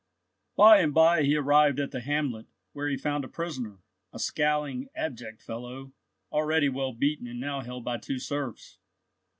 By and by he arrived at the hamlet, where he found a prisoner, a scowling, abject fellow, already well beaten, and now held by two serfs.